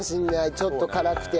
ちょっと辛くて。